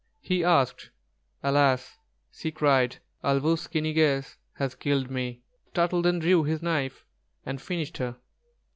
he asked. "Alas!" she cried, "Āl wūs ki ni gess has killed me!" Turtle then drew his hunting knife and finished her.